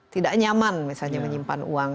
tidak nyaman misalnya menyimpan uang